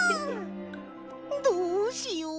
どうしよう。